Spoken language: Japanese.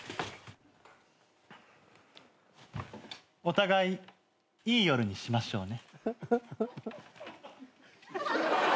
お互いいい夜にしましょうね。